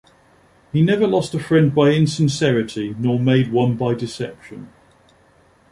He never lost a friend by insincerity nor made one by deception.